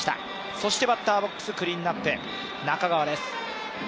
そしてバッターボックス、クリーンアップ・中川です。